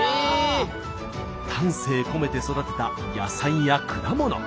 丹精込めて育てた野菜や果物。